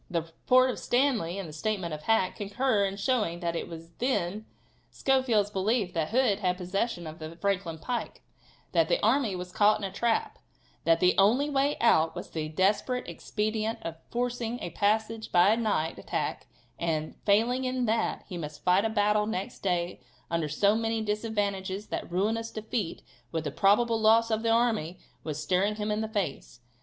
The report of Stanley and the statement of Hack concur in showing that it was then Schofield's belief that Hood had possession of the Franklin pike; that the army was caught in a trap; that the only way out was the desperate expedient of forcing a passage by a night attack, and, failing in that, he must fight a battle next day under so many disadvantages that ruinous defeat, with the probable loss of the army, was staring him in the face.